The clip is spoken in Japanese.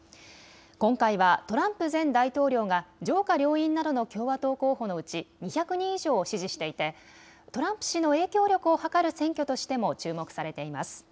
今回はトランプ前大統領が上下両院などの共和党候補のうち２００人以上を支持していてトランプ氏の影響力をはかる選挙としても注目されています。